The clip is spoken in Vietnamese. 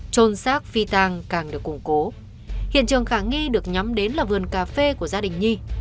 trôn xác phi tàng càng được củng cố hiện trường khả nghi được nhắm đến là vườn cà phê của gia đình nhi